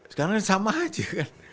sekarang sama aja kan